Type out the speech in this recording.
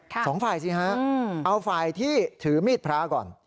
สองฝ่ายสิฮะเอาฝ่ายที่ถือมีดพระก่อน